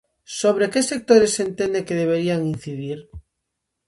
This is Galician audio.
Sobre que sectores entende que deberían incidir?